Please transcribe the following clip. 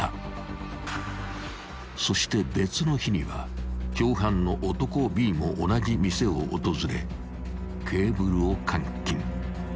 ［そして別の日には共犯の男Ｂも同じ店を訪れケーブルを換金］